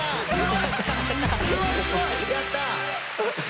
やった！